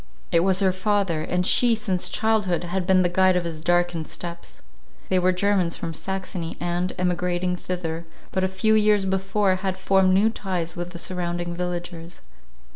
It was her father; and she, since childhood, had been the guide of his darkened steps. They were Germans from Saxony, and, emigrating thither but a few years before, had formed new ties with the surrounding villagers.